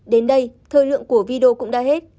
đến đây thời lượng của video cũng đã hết